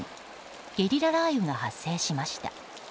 ゲリラ雷雨が発生しました。